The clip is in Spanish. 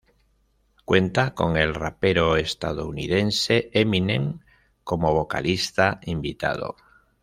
Cuenta con el rapero estadounidense Eminem, como vocalista invitado.